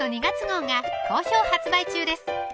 ２月号が好評発売中です